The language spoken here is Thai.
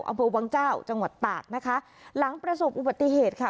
อำเภอวังเจ้าจังหวัดตากนะคะหลังประสบอุบัติเหตุค่ะ